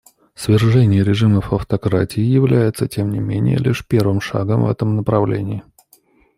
Свержение режимов автократии является, тем не менее, лишь первым шагом в этом направлении.